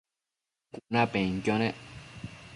cunapenquio nec